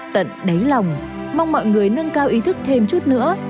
tận đáy lòng mong mọi người nâng cao ý thức thêm chút nữa